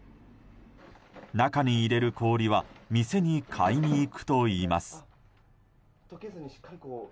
中に入れる氷は店に買いに行くといいます。